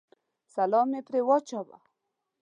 سلام مې پرې واچاوه.